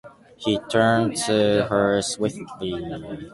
He turned to her swiftly.